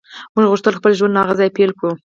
موږ غوښتل خپل ژوند له هغه ځایه پیل کړو